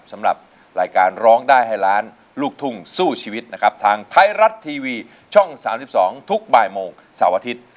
สำหรับรายการร้องได้ให้ล้านลูกทุ่งสู้ชีวิตนะครับทางไทยรัฐทีวีช่อง๓๒ทุกบ่ายโมงเสาร์อาทิตย์